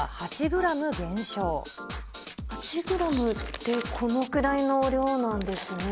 ８グラムってこのくらいの量なんですね。